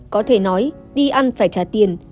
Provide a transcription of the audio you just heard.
có thể nói đi ăn phải trả tiền